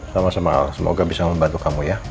sama sama semoga bisa membantu kamu ya